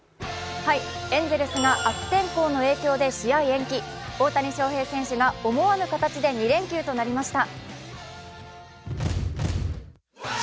エンゼルスが悪天候の影響で試合中止大谷翔平選手が思わぬ形で２連休となりました。